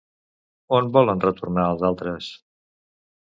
On volen retornar els altres?